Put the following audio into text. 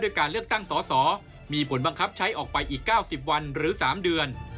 การเลือกตั้งสอสอมีผลบังคับใช้ออกไปอีก๙๐วันหรือ๓เดือน